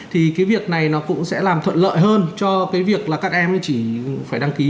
thì cái việc này nó cũng sẽ làm thuận lợi hơn cho cái việc là các em chỉ phải đăng ký